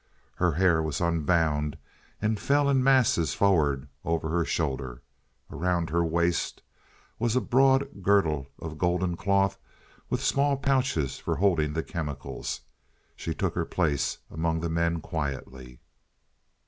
Her hair was unbound and fell in masses forward over her shoulders. Around her waist was a broad girdle of golden cloth with small pouches for holding the chemicals. She took her place among the men quietly.